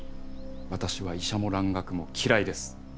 私は医者も蘭学も嫌いです！